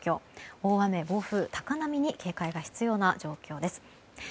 大雨、暴風、高波に警戒が必要な状況です。